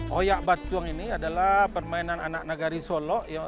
hoyak batuang ini adalah permainan anak nagari solo